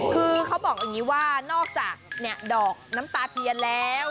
คือเขาบอกอย่างนี้ว่านอกจากดอกน้ำตาเทียนแล้ว